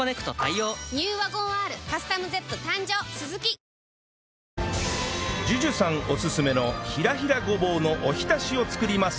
さらにＪＵＪＵ さんおすすめのひらひらごぼうのお浸しを作ります